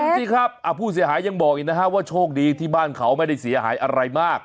สิครับผู้เสียหายยังบอกอีกนะฮะว่าโชคดีที่บ้านเขาไม่ได้เสียหายอะไรมาก